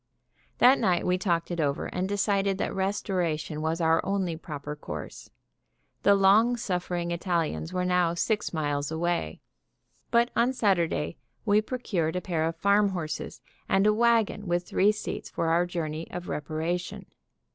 That night we talked it over, and decided that restoration was our only proper course. The long suffering Italians were now six miles away; but on Saturday we procured a pair of farm horses and a wagon with three seats for our journey of reparation.